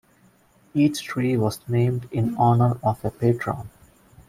Each tree was named in honor of a patron.